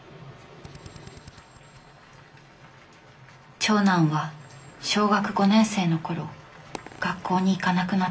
長男は小学５年生の頃学校に行かなくなった。